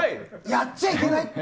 やっちゃいけない。